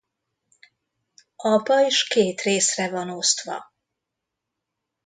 A pajzs két részre van osztva.